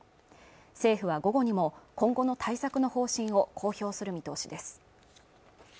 政府は午後にも今後の対策の方針を公表する見通しです